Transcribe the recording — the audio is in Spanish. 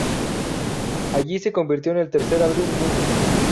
Allí se convirtió en el tercer álbum núm.